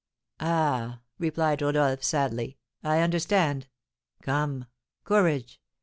"Ah," replied Rodolph, sadly, "I understand! Come, courage!